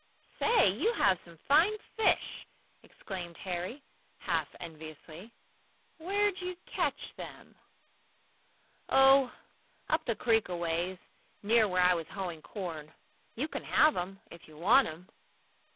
"Say, you have some fine fish!" exclaimed Harry, half enviously. "Where'd you catch them?" "Oh, up the creek aways near where I was hoeing corn. You can have 'em, if you want 'em."